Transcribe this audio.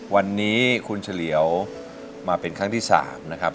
วันนี้คุณเฉลียวมาเป็นครั้งที่๓นะครับ